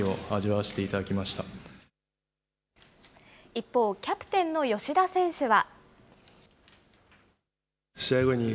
一方、キャプテンの吉田選手は。